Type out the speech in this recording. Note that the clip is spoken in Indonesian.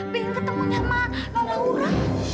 pengen ketemunya sama non laura